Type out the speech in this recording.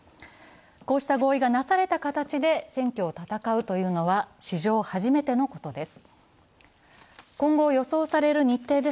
こうした合意がなされた形で選挙を戦うのは史上初めてのことです。